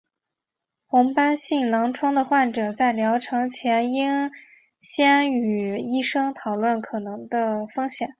红斑性狼疮的患者在疗程前应先与医生讨论可能的风险。